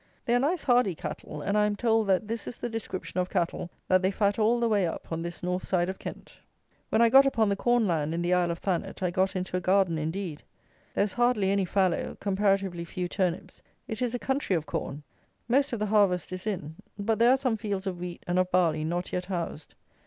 They are nice hardy cattle; and, I am told, that this is the description of cattle that they fat all the way up on this north side of Kent. When I got upon the corn land in the Isle of Thanet, I got into a garden indeed. There is hardly any fallow; comparatively few turnips. It is a country of corn. Most of the harvest is in; but there are some fields of wheat and of barley not yet housed.